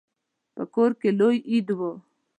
په کور کې لوی عید و.